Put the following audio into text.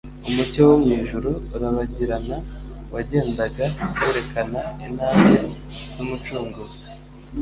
umucyo wo mu ijuru urabagirana wagendaga werekana intambwe z'Umucunguzi.